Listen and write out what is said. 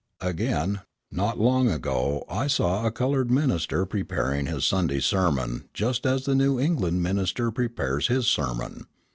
Again, not long ago I saw a coloured minister preparing his Sunday sermon just as the New England minister prepares his sermon.